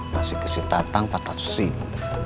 masih kasih tatang rp empat ratus